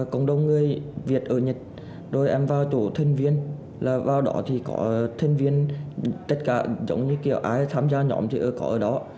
cộng đồng người việt ở nhật rồi em vào chỗ thân viên là vào đó thì có thuyền viên tất cả giống như kiểu ai tham gia nhóm thì có ở đó